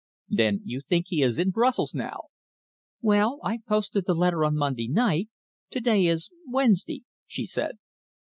"Then you think he is in Brussels now?" "Well, I posted the letter on Monday night. To day is Wednesday," she said.